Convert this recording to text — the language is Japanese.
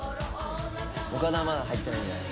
岡田はまだ入ってないんじゃない。